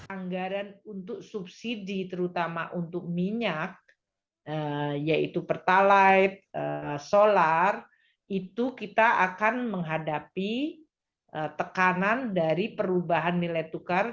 anggaran untuk subsidi terutama untuk minyak yaitu pertalite solar itu kita akan menghadapi tekanan dari perubahan nilai tukar